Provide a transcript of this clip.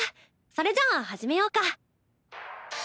それじゃあ始めようか。